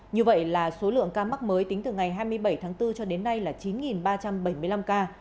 như vậy là số lượng ca mắc mới tính từ ngày hai mươi bảy tháng bốn cho đến nay là chín ba trăm bảy mươi năm ca